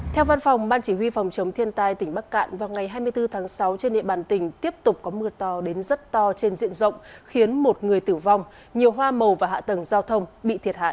theo văn phòng ban chỉ huy phòng chống thiên tai tỉnh bắc cạn vào ngày hai mươi bốn tháng sáu trên địa bàn tỉnh tiếp tục có mưa to đến rất to trên diện rộng khiến một người tử vong nhiều hoa màu và hạ tầng giao thông bị thiệt hại